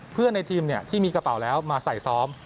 ในทีมที่มีกระเป๋าแล้วมาใส่ซ้อม